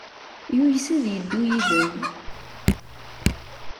Yuyes ad yeddu yid-m.